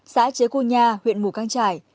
xã chế cua nha huyện mù căng trải